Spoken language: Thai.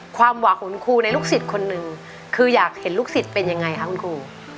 ความหวังของคุณครูในลูกศิษย์คนหนึ่งคืออยากเห็นลูกศิษย์เป็นยังไงคะคุณครู